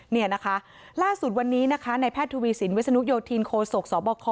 เนี่ยนะคะล่าสุดวันนี้นะคะในแพทย์ทูวีศิลป์วิสานุโยทีนโคโสกสอบบอกคอ